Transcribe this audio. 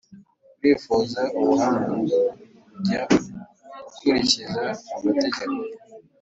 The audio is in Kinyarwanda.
Urifuza ubuhanga? Jya ukurikiza amategeko,